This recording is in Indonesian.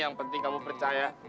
yang penting kamu percaya